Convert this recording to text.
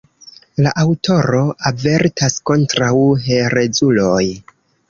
La aŭtoro avertas kontraŭ herezuloj.